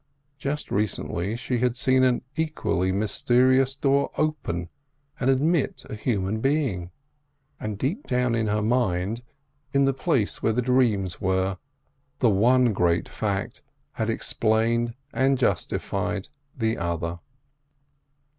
Just recently she had seen an equally mysterious door open and admit a human being; and deep down in her mind, in the place where the dreams were, the one great fact had explained and justified the other.